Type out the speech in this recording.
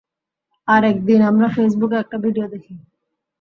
আর একদিন, আমরা ফেসবুকে একটা ভিডিও দেখি।